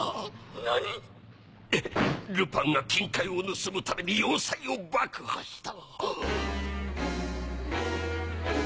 何⁉ルパンが金塊を盗むために要塞を爆破した！